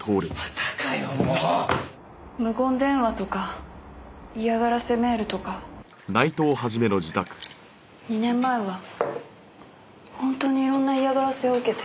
無言電話とか嫌がらせメールとか２年前は本当に色んな嫌がらせを受けて。